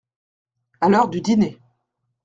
À l’heure du dîner.